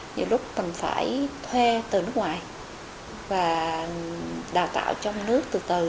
nhiều lúc mình phải thuê từ nước ngoài và đào tạo trong nước từ từ